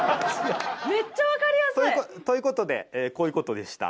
めっちゃわかりやすい。という事でこういう事でした。